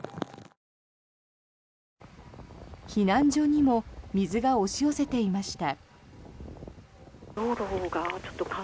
避難所にも水が押し寄せていました。